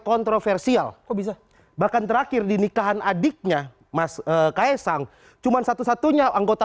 kontroversial kok bisa bahkan terakhir di nikahan adiknya mas kaisang cuman satu satunya anggota